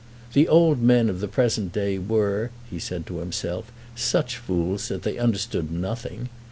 The old men of the present day were, he said to himself, such fools that they understood nothing.